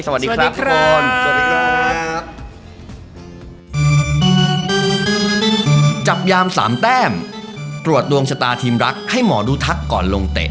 สวัสดีครับทุกคน